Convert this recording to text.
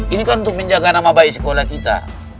ini kan untuk menjaga nama baik sekolah kita